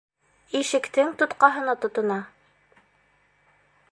Ишектең тотҡаһына тотона.